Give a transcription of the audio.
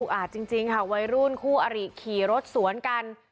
อาจจริงค่ะวัยรุ่นคู่อริขี่รถสวนกัน